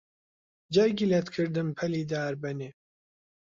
جەرگی لەت کردم پەلی دارەبەنێ